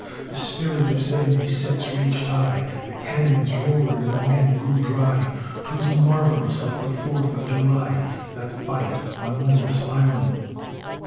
The spirit of Seventy six raged high, The cannons roared and the men grew dry 'Twas marvellous like the Fourth of July, That fight on Morris' Island.